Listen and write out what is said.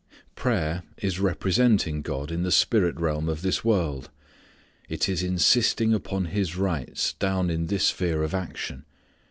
Prayer is representing God in the spirit realm of this world. It is insisting upon His rights down in this sphere of action.